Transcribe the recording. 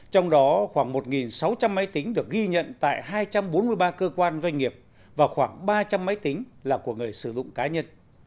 trong đó khoảng một sáu trăm linh máy tính được ghi nhận tại hai trăm bốn mươi ba cơ quan doanh nghiệp và khoảng ba trăm linh máy tính là của người sử dụng cá nhân